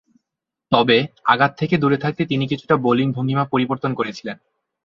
তবে, আঘাত থেকে দূরে থাকতে তিনি কিছুটা বোলিং ভঙ্গীমা পরিবর্তন করেছিলেন।